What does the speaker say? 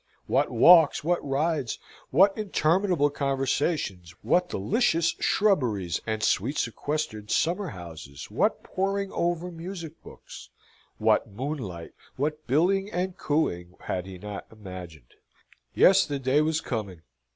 What walks, what rides, what interminable conversations, what delicious shrubberies and sweet sequestered summer houses, what poring over music books, what moonlight, what billing and cooing, had he not imagined! Yes, the day was coming.